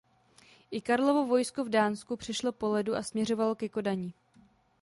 I Karlovo vojsko v Dánsku přešlo po ledu a směřovalo ke Kodani.